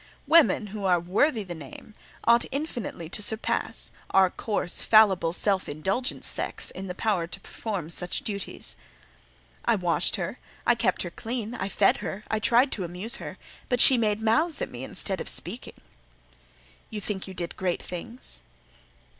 "Women who are worthy the name ought infinitely to surpass; our coarse, fallible, self indulgent sex, in the power to perform such duties." "I washed her, I kept her clean, I fed her, I tried to amuse her; but she made mouths at me instead of speaking." "You think you did great things?"